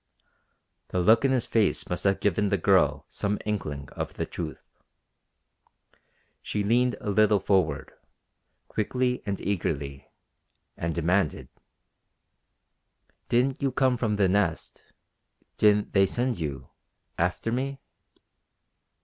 The look in his face must have given the girl some inkling of the truth. She leaned a little forward, quickly and eagerly, and demanded: "Didn't you come from the Nest? Didn't they send you after me?"